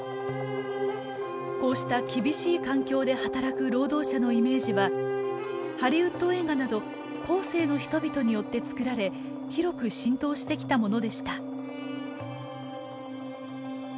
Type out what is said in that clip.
こうした厳しい環境で働く労働者のイメージはハリウッド映画など後世の人々によって作られ広く浸透してきたものでした。